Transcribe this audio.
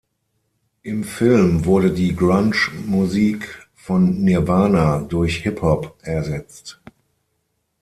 Im Film wurde die Grunge-Musik von Nirvana durch Hip-Hop ersetzt.